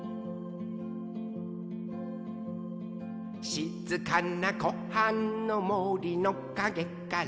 「しずかなこはんのもりのかげから」